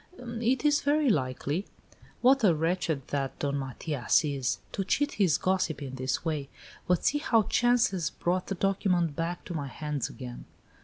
"It is very likely." "What a wretch that Don Matias is! To cheat his gossip in this way! But see how chance has brought the document back to my hands again!"